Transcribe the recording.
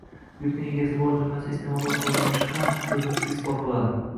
«yurtning egasi bor» jumlasi iste’molda qo‘llanishi ham so‘zimizga isbot bo‘ladi.